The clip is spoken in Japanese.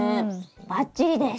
バッチリです。